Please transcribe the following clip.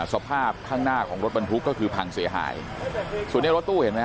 สภาพข้างหน้าของรถบรรทุกก็คือพังเสียหายส่วนนี้รถตู้เห็นไหมฮ